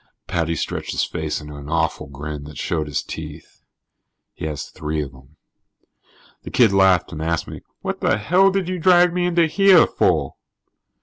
Paddy stretched his face into an awful grin that showed his teeth. He has three of them. The kid laughed and asked me: "What the hell did you drag me into here for?"